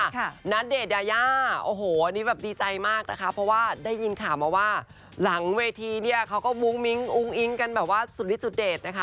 เขาก็วุ้งมิ้งอุ้งอิ้งกันแบบว่าสุดลิดสุดเดชนะคะ